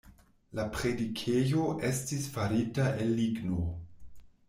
La predikejo estis farita el ligno.